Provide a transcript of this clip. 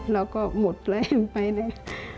เราก็หมดแรงไปเลย